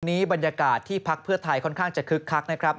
ตอนนี้บรรยากาศที่ภักดีเพื่อไทยค่อนข้างจะขึ้กคักนะครับ